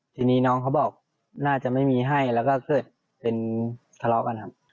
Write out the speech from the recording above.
ทีนี้น้องเขาบอกน่าจะไม่มีให้แล้วก็เกิดเป็นทะเลาะกันครับ